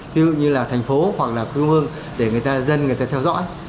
thứ hai nữa là phải có đăng đàn trên các thông mạng thông tin